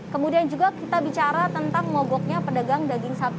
kemudian juga kita bicara tentang mogoknya pedagang daging sapi